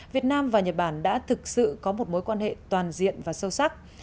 việt nam và nhật bản đã thực sự có một mối quan hệ toàn diện và sâu sắc